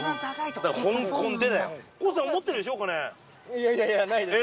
いやいやいやないです。